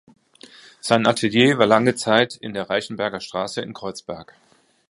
Sein Atelier war lange Zeit in der Reichenberger Straße in Kreuzberg.